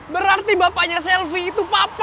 berarti bapaknya selfie itu papi